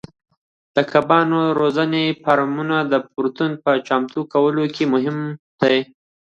د کبانو د روزنې فارمونه د پروتین په چمتو کولو کې مهم دي.